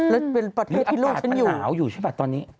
แล้วเป็นประเทศที่โลกฉันอยู่อืมนี่อัตกาลเป็นหลาวอยู่ใช่ไหมตอนนี้